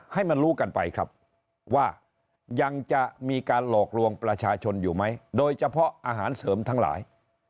ให้มันรู้กันไปครับว่ายังจะมีการหลอกลวงประชาชนอยู่ไหมโดยเฉพาะอาหารเสริมทั้งหลาย